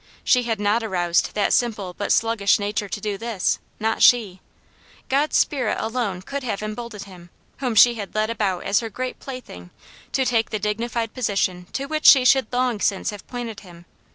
She had not aroused that simple but sluggish nature to do this, not she ! God's Spirit alone could have emboldened him, whom she had led about as her great plaything, to take the dignified position to which she should long since have pointed him.